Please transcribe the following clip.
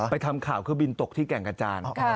ทำข่าวคือบินตกที่แก่งกระจาน